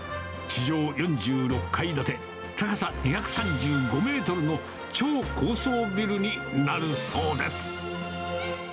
地上４６階建て、高さ２３５メートルの超高層ビルになるそうです。